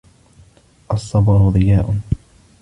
الصَّبْرُ ضِيَاءٌ